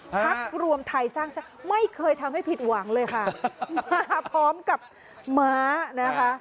พักรวมไทยสร้างชาติไม่เคยทำให้ผิดหวังเลยค่ะมาพร้อมกับม้านะคะ